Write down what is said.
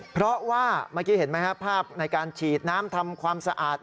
เพราะว่าเมื่อกี้เห็นไหมครับภาพในการฉีดน้ำทำความสะอาด